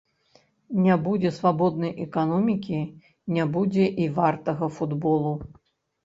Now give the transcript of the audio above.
Не будзе свабоднай эканомікі, не будзе і вартага футболу.